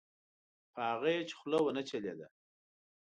په هغه یې چې خوله ونه چلېده.